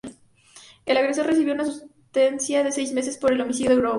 El agresor recibió una sentencia de seis meses por el homicidio de Wong.